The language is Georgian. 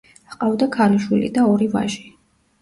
ჰყავდა ქალიშვილი და ორი ვაჟი.